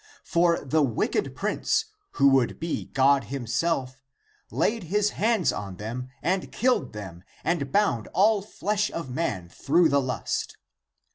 11. For the wicked prince, who would be God himself, laid his hands on them and killed them and bound all flesh of man through the lust.